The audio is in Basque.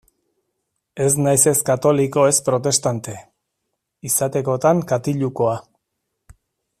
Ez naiz ez katoliko ez protestante; izatekotan katilukoa.